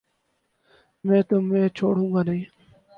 میں تمہیں چھوڑوں گانہیں